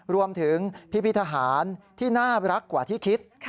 รวมถึงพิพิทหารที่น่ารักกว่าที่คิด